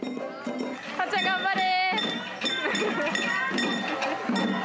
はっちゃん頑張れ！